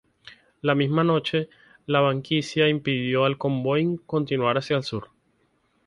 La misma noche, la banquisa impidió al convoy continuar hacia el sur.